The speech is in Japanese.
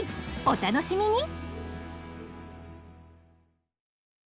お楽しみに！